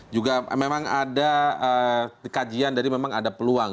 juga memang ada kajian dari memang ada peluang